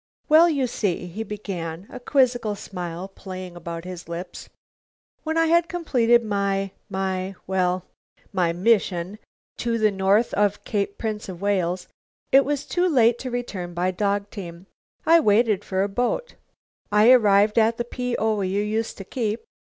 "Well, you see," he began, a quizzical smile playing about his lips, "when I had completed my my well, my mission to the north of Cape Prince of Wales, it was too late to return by dog team. I waited for a boat. I arrived at the P. O. you used to keep.